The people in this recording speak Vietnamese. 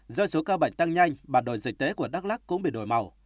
do số ca bệnh tăng nhanh bản đồ dịch tế của đắk lắc cũng bị đổi màu